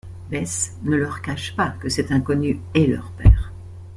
Bess ne leur cache pas que cet inconnu est leur père.